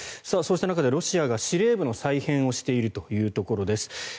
そうした中でロシアが司令部の再編をしているというところです。